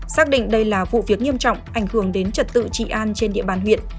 xác định đây là vụ việc nghiêm trọng ảnh hưởng đến trật tự trị an trên địa bàn huyện